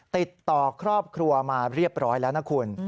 ติดต่อครอบครัวมาเรียบร้อยแล้วนะคุณ